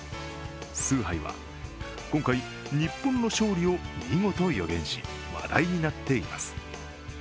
スーハイは、今回日本の勝利を見事予言し、話題になっています。